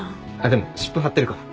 でも湿布貼ってるから。